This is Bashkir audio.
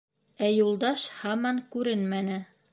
Ә Юлдаш һаман күренмәне.